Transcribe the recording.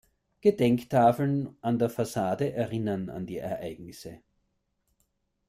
Gedenktafeln an der Fassade erinnern an die Ereignisse.